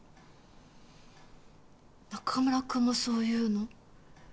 中村くんもそう言うの？